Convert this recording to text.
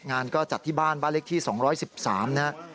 งานก็จัดที่บ้านบ้านเลขที่๒๑๓นะครับ